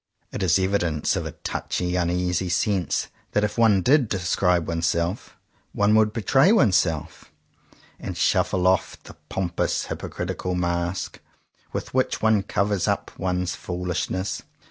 It is evidence of a touchy, uneasy sense that if one did describe oneself, one would betray oneself, and shuffle off the pompous hypocritical mask with which one covers up one's foolishness.